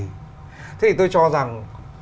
thế thì tôi cho rằng